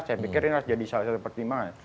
saya pikir ini harus jadi salah satu pertimbangan